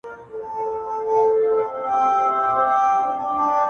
• جهاني به هم سبا پر هغه لار ځي ,